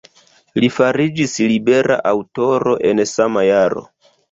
Li fariĝis libera aŭtoro en sama jaro.